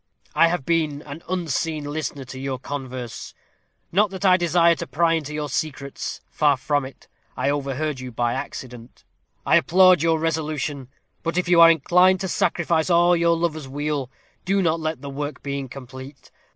I have been an unseen listener to your converse; not that I desire to pry into your secrets far from it; I overheard you by accident. I applaud your resolution; but if you are inclined to sacrifice all for your lover's weal, do not let the work be incomplete.